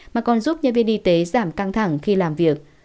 mà còn giúp nhân viên y tế giảm căng thẳng khi làm việc